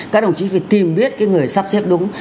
các đồng chí phải tìm biết người sắp xếp đúng